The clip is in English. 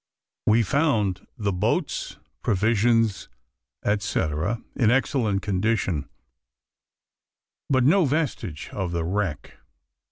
We found the boats, provisions, &c. in excellent condition, but no vestige of the wreck.